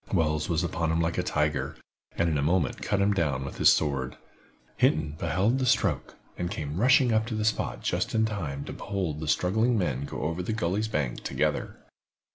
Wells was upon him like a tiger, and in a moment cut him down with his sword. Hinton beheld the stroke, and came rushing up to the spot just in time to behold the struggling men go over the gully's bank together.